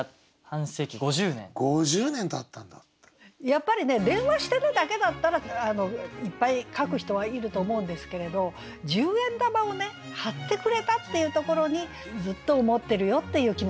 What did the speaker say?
やっぱりね「電話してね」だけだったらいっぱい書く人はいると思うんですけれど十円玉を貼ってくれたっていうところにずっと思ってるよっていう気持ちが表れててね